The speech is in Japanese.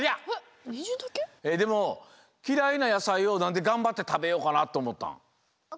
でもきらいなやさいをなんでがんばってたべようかなとおもったん？